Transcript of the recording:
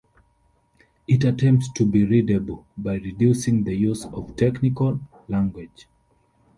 It attempts to be readable by reducing the use of technical language.